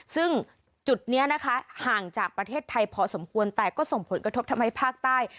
ซึ่งจุดนี้นะคะห่างจากประเทศไทยพอสมควรแต่ก็ส่งผลกระทบทำให้ภาคใต้